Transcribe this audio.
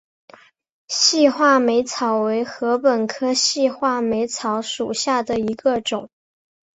细画眉草为禾本科细画眉草属下的一个种。